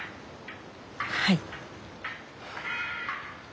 はい。